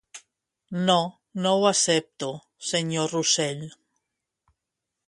No, no ho accepto, senyor Russell.